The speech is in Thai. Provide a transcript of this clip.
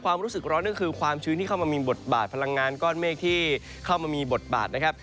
ความรู้สึกร้อนก็คือความชื้นที่เข้ามามีบทบาทพลังงานก้อนเมฆที่เข้ามามีบทบาทนะครับ